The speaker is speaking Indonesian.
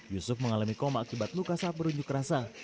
yusuf mengalami koma akibat luka saat berunjuk rasa